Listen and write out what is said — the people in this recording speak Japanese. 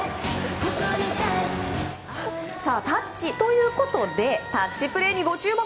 さあ「タッチ」ということでタッチプレーにご注目！